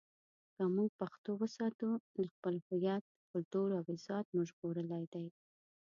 که موږ پښتو وساتو، نو خپل هویت، کلتور او عزت مو ژغورلی دی.